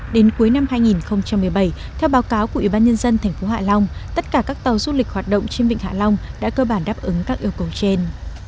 đến cuối năm hai nghìn một mươi bảy theo báo cáo của ubnd thành phố hạ long tất cả các tàu du lịch hoạt động trên vịnh hạ long đã cơ bản đáp ứng các yêu cầu trên